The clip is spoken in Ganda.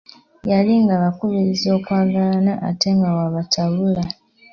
Yali abakubiriza okwagalana ate nga bw'abatabula.